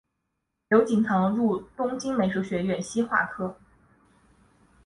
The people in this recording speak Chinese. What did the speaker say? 刘锦堂入东京美术学校西画科